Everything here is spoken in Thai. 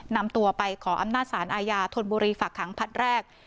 นำตัวไปขออำนาจสารอาญาธนบุรีฝากขังผลัดแรก